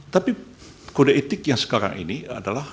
tapi kode etik yang sekarang ini adalah